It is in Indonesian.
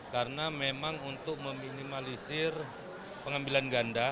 karena memang untuk meminimalisir pengambilan ganda